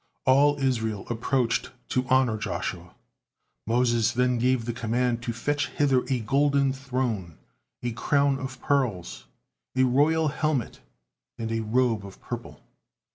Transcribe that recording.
All Israel approached to honor Joshua. Moses then gave the command to fetch hither a golden throne, a crown of pearls, a royal helmet, and a robe of purple.